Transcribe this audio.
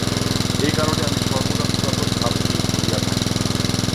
এই কারণে আমি সর্বদা পুরাতন ভাবকেই ধরিয়া থাকি।